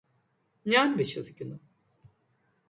ഞാന് വിശ്വസിക്കുന്നു